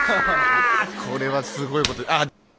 これはすごいことにあっ。